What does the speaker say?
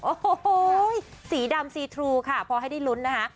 โอ้โหสีดำซีทรูค่ะพอให้ได้ลุ้นนะคะ